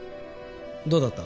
どうだった？